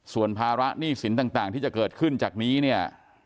ส่วนภาระหนี้สินต่างที่จะเกิดขึ้นจากนี้เนี่ย